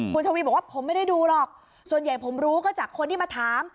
คุณทวีบอกว่าผมไม่ได้ดูหรอกส่วนใหญ่ผมรู้ก็จากคนที่มาถาม